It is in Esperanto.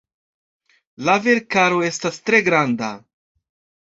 La verkaro estas tre granda.